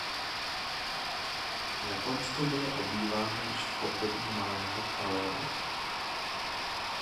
Japonsko bylo obýváno již v období mladého paleolitu.